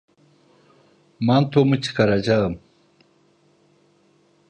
Mantomu çıkaracağım.